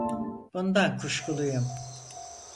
Bundan kuşkuluyum.